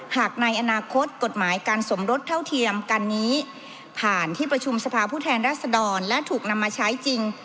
หากในอนาคตกฎหมายการสมรสเท่าเทียมกันนี้ผ่านที่ประชุมสภาพผู้แทนรัศดรและถูกนำมาใช้จริง